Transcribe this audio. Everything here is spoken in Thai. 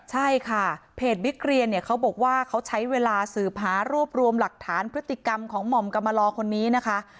ใช่ค่ะเพจบิ๊กเรียนเนี่ยเขาบอกว่าเขาใช้เวลาสืบหารวบรวมหลักฐานพฤติกรรมของหม่อมกรรมลอคนนี้นะคะ